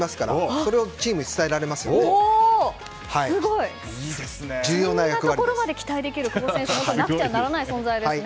そんなところまで期待できる久保選手はなくてはならない存在ですね。